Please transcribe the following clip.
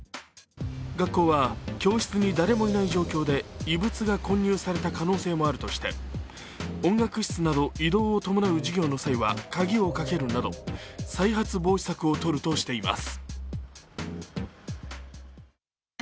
学校は教室に誰もいない状況で異物が混入された可能性もあるとして音楽室など移動を伴う授業の際は鍵をかけるなど再発防止策をとるとしています。